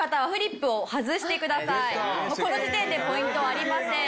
この時点でポイントはありません。